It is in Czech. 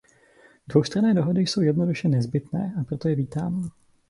Dvoustranné dohody jsou jednoduše nezbytné, a proto je vítám.